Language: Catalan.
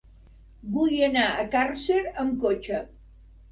Vull anar a Càrcer amb cotxe.